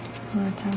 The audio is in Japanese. ちゃん